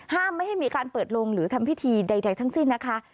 ไม่ให้มีการเปิดลงหรือทำพิธีใดทั้งสิ้นนะคะ